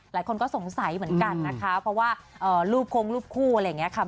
หลายคนก็สงสัยเหมือนกันนะคะเพราะว่ารูปคงรูปคู่อะไรอย่างนี้ค่ะ